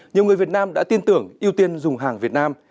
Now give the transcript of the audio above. nhiều người việt nam đã tin tưởng ưu tiên dùng hàng việt nam